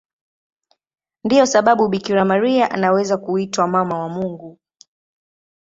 Ndiyo sababu Bikira Maria anaweza kuitwa Mama wa Mungu.